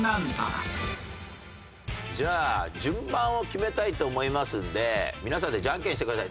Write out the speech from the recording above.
じゃあ順番を決めたいと思いますので皆さんでジャンケンしてください。